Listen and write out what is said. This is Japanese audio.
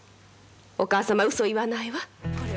お母様うそ言わないわ。